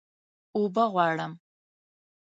اوبه غواړم